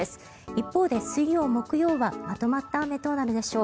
一方で、水曜、木曜はまとまった雨となるでしょう。